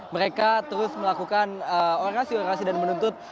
mereka terus melakukan orasi orasi dan menuntut